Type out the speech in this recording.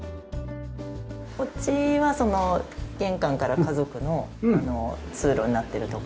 こっちは玄関から家族の通路になっている所。